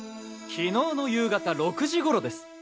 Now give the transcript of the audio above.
昨日の夕方６時頃です！